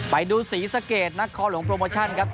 ไปดูศรีสะเกดนักคอหลวงโปรโมชั่นครับ